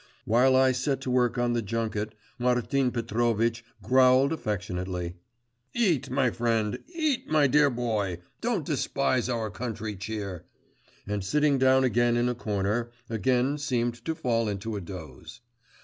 While I set to work on the junket, Martin Petrovitch growled affectionately, 'Eat, my friend, eat, my dear boy; don't despise our country cheer,' and sitting down again in a corner, again seemed to fall into a doze.